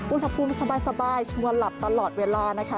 อุณหภูมิสบายชวนหลับตลอดเวลานะคะ